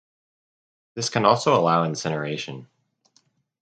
This can also allow incineration.